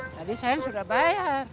tadi sayang sudah bayar